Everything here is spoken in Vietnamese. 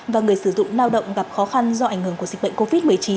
và người sử dụng lao động gặp khó khăn do ảnh hưởng của dịch bệnh covid một mươi chín